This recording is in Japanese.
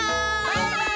バイバーイ！